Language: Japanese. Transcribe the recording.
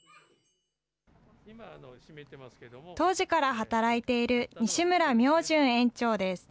当時から働いている西村明純園長です。